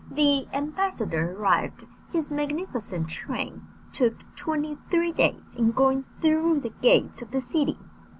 The ambassador arrived; his magnificent train took twenty three days in going through the gates of the city.